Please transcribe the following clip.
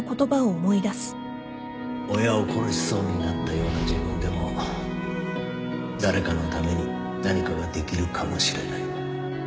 「親を殺しそうになったような自分でも誰かのために何かができるかもしれない」